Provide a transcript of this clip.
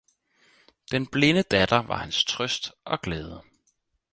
Den blinde datter var hans trøst og glæde.